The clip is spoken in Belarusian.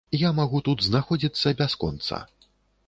Я магу тут знаходзіцца бясконца.